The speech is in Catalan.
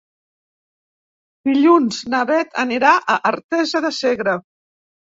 Dilluns na Beth anirà a Artesa de Segre.